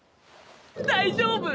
大丈夫！